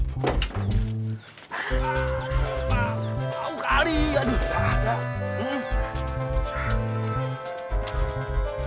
terus terus terus